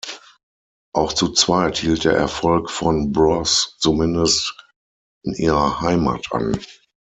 Auch zu zweit hielt der Erfolg von "Bros" zumindest in ihrer Heimat an.